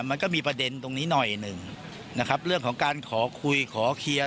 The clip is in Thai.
มันก็มีประเด็นตรงนี้หน่อยหนึ่งนะครับเรื่องของการขอคุยขอเคลียร์